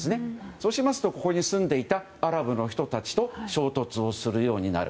そうしますと、ここに住んでいたアラブの人たちと衝突をするようになる。